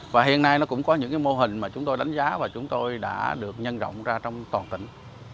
và hiện nay nó cũng có những mô hình mà chúng tôi đánh giá và chúng tôi đã được nhân rộng ra trong toàn tỉnh